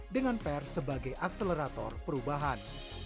dengan pers sebagai akselerator perubahan